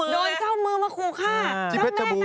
โดนเจ้ามือมาขุวค่า